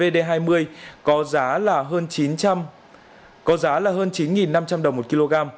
v d hai mươi có giá là hơn chín năm trăm linh đồng một kg